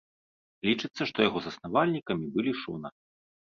Лічыцца, што яго заснавальнікамі былі шона.